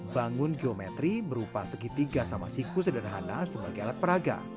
bangun geometri berupa segitiga sama siku sederhana sebagai alat peraga